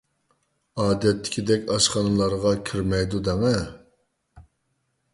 ئادەتتىكىدەك ئاشخانىلارغا كىرمەيدۇ دەڭە.